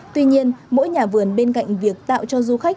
tuy nhiên mỗi nhà vườn bên cạnh việc tạo cho du khách